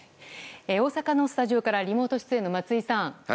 大阪のスタジオからリモート出演の松井さん。